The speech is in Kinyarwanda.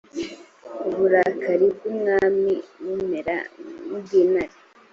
uburakari bw umwami bumera nk ubw intare